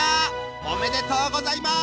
おめでとうございます！